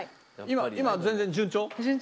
今は全然順調？